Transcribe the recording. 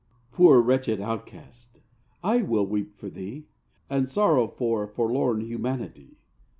Poor wretched Outcast! I will weep for thee, And sorrow for forlorn humanity.